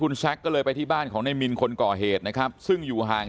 คุณแซคก็เลยไปที่บ้านของในมินคนก่อเหตุนะครับซึ่งอยู่ห่าง